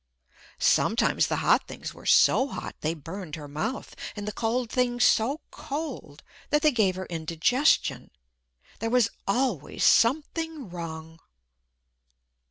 Sometimes the hot things were so hot they burned her mouth and the cold things so cold that they gave her indigestion. There was always something wrong.